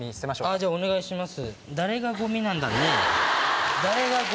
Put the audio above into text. じゃあお願いします。